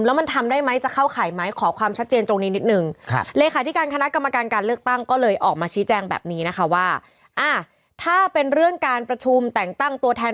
แล้วถ้าสมมติว่าในการจัดประชุมเนี่ย